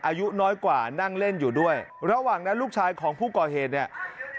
อายุน้อยกว่านั่งเล่นอยู่ด้วยระหว่างนั้นลูกชายของผู้ก่อเหตุเนี่ย